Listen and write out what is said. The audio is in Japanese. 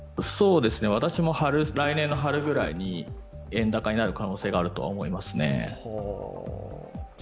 私も来年の春ぐらいに円高になる可能性があるとは思いますね。